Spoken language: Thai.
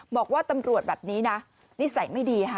บอกว่าตำรวจแบบนี้นะนิสัยไม่ดีค่ะ